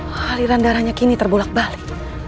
haliran darahnya kini terbolak balik